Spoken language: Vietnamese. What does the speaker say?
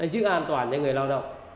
giữ an toàn cho người lao động